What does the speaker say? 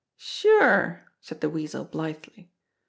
"Sure!" said the Weasel blithely.